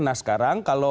nah sekarang kalau